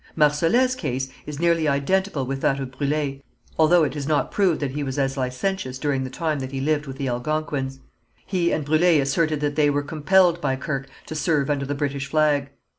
Marsolet's case is nearly identical with that of Brûlé, although it is not proved that he was as licentious during the time that he lived with the Algonquins. He and Brûlé asserted that they were compelled by Kirke to serve under the British flag.